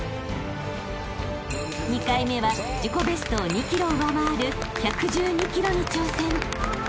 ［２回目は自己ベストを２ｋｇ上回る１１２ｋｇに挑戦］